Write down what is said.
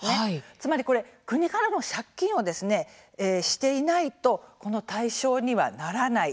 つまり国から借金をしていないと対象にはならない。